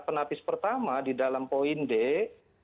penapis pertama di dalam poindek